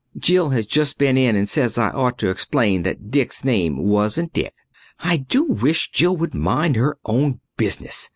Jill has just been in and says I ought to explain that Dick's name wasn't Dick. I do wish Jill would mind her own business.